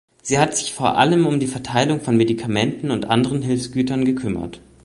Sie hat sich vor allem um die Verteilung von Medikamenten und anderen Hilfsgütern gekümmert.